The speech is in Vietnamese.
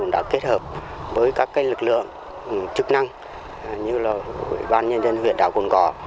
đã kết hợp với các lực lượng chức năng như là huyện đảo cồn cỏ